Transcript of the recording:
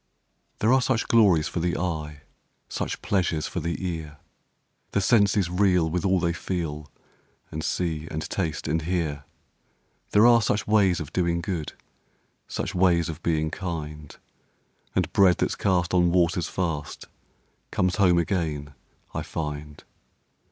There are such glories for the eye, Such pleasures for the ear, The senses reel with all they feel And see and taste and hear; There are such ways of doing good, Such ways of being kind, And bread that's cast on waters fast Comes home again, I find.